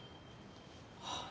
はあ。